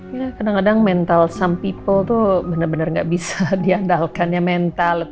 iya kadang kadang mental some people tuh bener bener gak bisa diandalkan ya mental